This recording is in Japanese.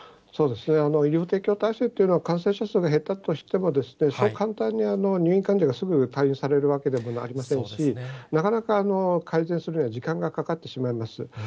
医療提供体制というのは、感染者数が減ったとしてもそう簡単に入院患者がすぐ退院されるわけでもありませんし、なかなか、改善するには時間がかかってしまいます。